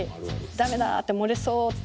ダメだ漏れそうって。